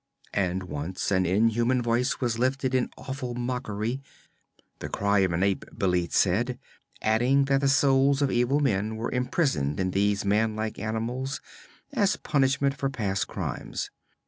And once an inhuman voice was lifted in awful mockery the cry of an ape, Bêlit said, adding that the souls of evil men were imprisoned in these man like animals as punishment for past crimes.